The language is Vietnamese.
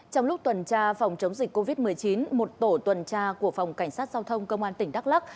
trong lúc tuần tra phòng chống dịch covid một mươi chín một tổ tuần tra của phòng cảnh sát giao thông công an tỉnh đắk lắc